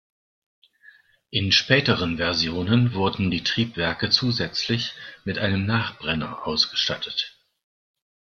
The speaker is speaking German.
In späteren Versionen wurden die Triebwerke zusätzlich mit einem Nachbrenner ausgestattet.